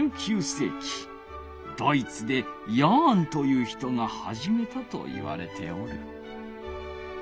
ドイツでヤーンという人がはじめたといわれておる。